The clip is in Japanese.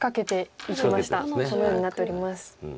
このようになっております。